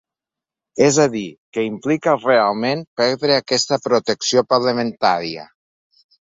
És a dir, què implica realment perdre aquesta protecció parlamentària.